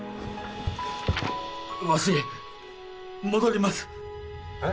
わし戻りますえッ？